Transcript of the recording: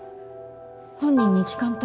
本人に聞かんと。